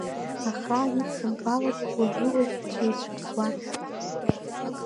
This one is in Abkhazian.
Ахаан идсымбалацыз, уажәы-уажә дцәеицәыԥсуан.